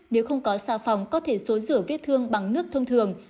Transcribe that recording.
nếu không có xào phòng có thể xối rửa viết thương bằng nước thông thường